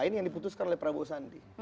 nah ini yang diputuskan oleh prabowo sandi